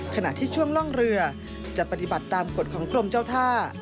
ขณะที่ช่วงล่องเรือจะปฏิบัติตามกฎของกรมเจ้าท่า